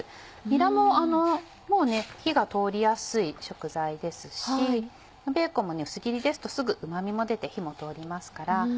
にらも火が通りやすい食材ですしベーコンも薄切りですとすぐうま味も出て火も通りますから。